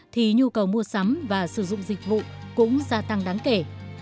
thì nhu cầu mua sắm và sử dụng dịch vụ cũng gia tăng đáng kể